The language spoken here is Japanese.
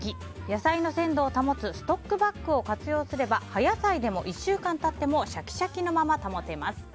野菜の鮮度を保つストックバッグを活用すれば葉野菜でも、１週間経ってもシャキシャキのまま保てます。